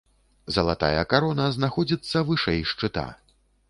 Залатая карона знаходзіцца вышэй шчыта.